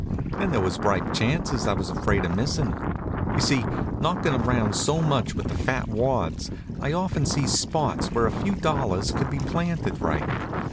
Then there was ripe chances I was afraid of missin'. You see, knockin' around so much with the fat wads, I often sees spots where a few dollars could be planted right.